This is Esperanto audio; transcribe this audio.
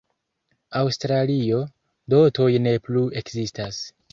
Aŭstralio, dotoj ne plu ekzistas.